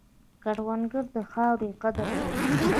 کروندګر د خاورې قدر کوي